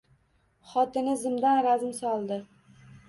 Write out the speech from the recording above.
Xotini zimdan razm soldi